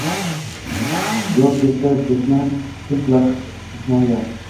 Yov kelsa, bizni kim qilar himoya».